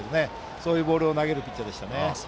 そういうボールを投げるピッチャーでしたね。